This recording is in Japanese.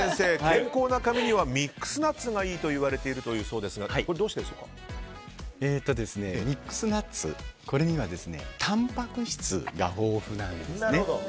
健康な髪にはミックスナッツがいいとされているそうですがミックスナッツにはたんぱく質が豊富なんですね。